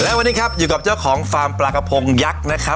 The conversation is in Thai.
และวันนี้ครับอยู่กับเจ้าของฟาร์มปลากระพงยักษ์นะครับ